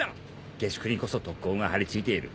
下宿にこそ特高が張り付いている。